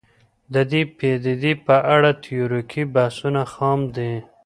د دې پدیدې په اړه تیوریکي بحثونه خام دي